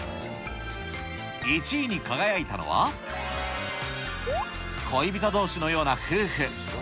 １位に輝いたのは、恋人どうしのような夫婦。